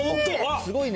すごいね。